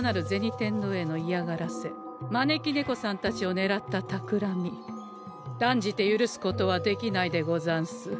天堂へのいやがらせ招き猫さんたちをねらったたくらみ断じて許すことはできないでござんす。